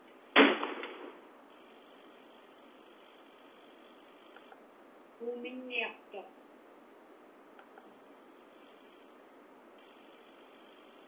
Puumiŋniaqtuq.